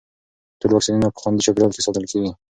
ټول واکسینونه په خوندي چاپېریال کې ساتل کېږي.